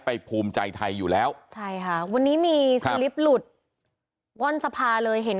ภูมิใจไทยอยู่แล้วใช่ค่ะวันนี้มีสลิปหลุดว่อนสภาเลยเห็น